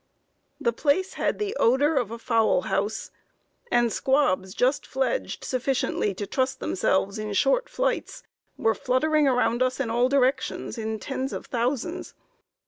"The place had the odor of a fowl house, and squabs just fledged sufficiently to trust themselves in short flights, were fluttering around us in all directions, in tens of thousands.